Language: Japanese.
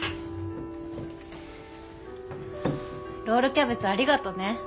ロールキャベツありがとね。